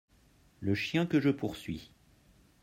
Le chien que je poursuis.